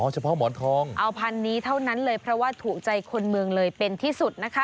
เฉพาะหมอนทองเอาพันธุ์นี้เท่านั้นเลยเพราะว่าถูกใจคนเมืองเลยเป็นที่สุดนะคะ